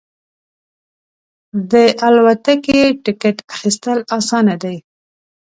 د الوتکې ټکټ اخیستل اسانه دی.